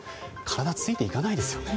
体がついていかないですよね。